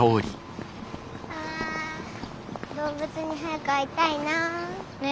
あ動物に早く会いたいなあ。ね。